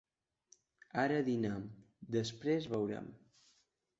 Ara dinem, després veurem.